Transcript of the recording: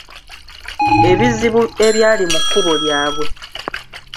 Ebizibu ebyali mu kkubo lyabwe.